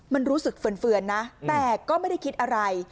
มันรู้สึกเฟือนนะแต่ก็ไม่ได้คิดอะไร